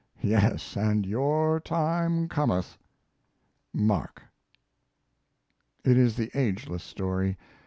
Yes, and your time cometh! MARK. It is the ageless story.